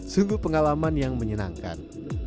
sungguh pengalaman yang menyenangkan